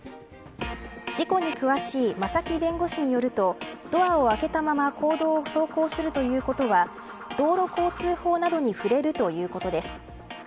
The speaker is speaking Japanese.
事故に詳しい正木弁護士によるとドアを開けたまま公道を走行するということは道路交通法などに触れるということです。